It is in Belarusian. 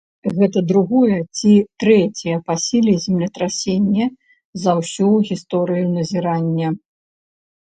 Гэта другое ці трэцяе па сіле землетрасенне за ўсю гісторыю назірання.